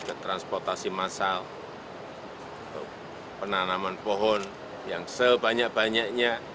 ke transportasi massal penanaman pohon yang sebanyak banyaknya